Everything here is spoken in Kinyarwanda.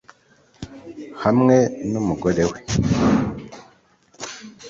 'hamwe numugore we